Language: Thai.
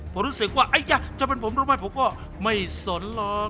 พอรู้สึกว่าไอ้จ๊ะจะเป็นผมหรือไม่ผมก็ไม่สนหรอก